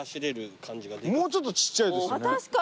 もうちょっとちっちゃいですよね。